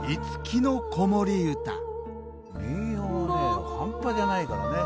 民謡はね半端じゃないからね。